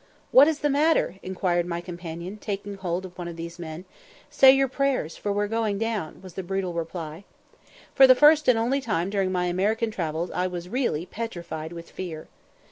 "What is the matter?" inquired my companion, taking hold of one of these men. "Say your prayers, for we are going down," was the brutal reply. For the first and only time during my American travels I was really petrified with fear.